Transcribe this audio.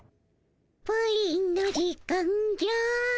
プリンの時間じゃ。